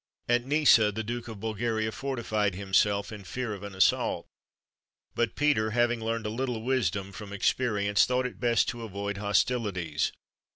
At Nissa, the Duke of Bulgaria fortified himself, in fear of an assault; but Peter, having learned a little wisdom from experience, thought it best to avoid hostilities.